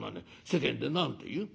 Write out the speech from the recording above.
世間で何と言う？